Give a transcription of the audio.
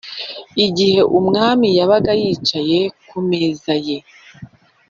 Igihe umwami yabaga yicaye ku meza ye,